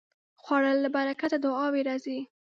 خوړل له برکته دعاوې راځي